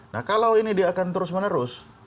nah kalau ini dia akan terus menerus